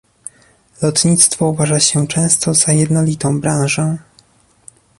Lotnictwo uważa się często za jednolitą branżę